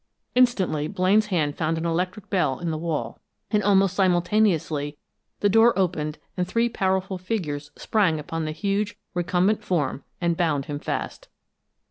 Instantly Blaine's hand found an electric bell in the wall, and almost simultaneously the door opened and three powerful figures sprang upon the huge, recumbent form and bound him fast.